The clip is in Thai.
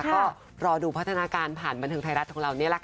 ก็รอดูพัฒนาการผ่านบันเทิงไทยรัฐของเรานี่แหละค่ะ